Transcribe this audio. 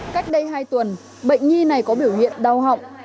cách đây hai tuần bệnh nhi này có biểu hiện đau họng